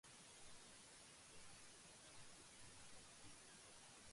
ちょうどこの時期にあのカフェでかぼちゃのフェアを開催してるよ。